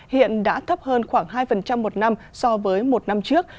hiện đã thấp hơn khoảng hai một năm so với một năm trước